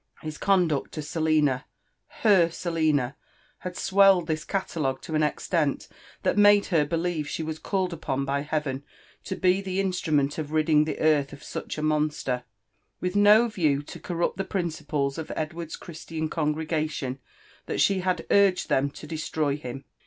Bis conduct to 8e1ina — Heb SaOiA, hid swelled tbia cilalogoe to bb extent that made bcr belieTe she wu called upon bj HeaveD to be the JDStrumeDt of ridding the earth of Buoh a monaler. It was, therefore, with no view to corrupt tbe piiDciples of Ed ward's Christian congregation that She had urged them to destroy him.